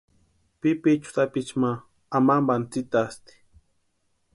Pipichu sapichu ma amampani tsïtasti.